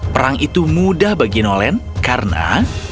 perang itu mudah bagi nolen karena